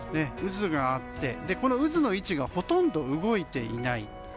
渦があって、この渦の位置がほとんど動いていない。